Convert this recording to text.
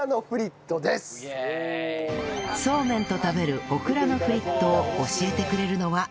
そうめんと食べるオクラのフリットを教えてくれるのは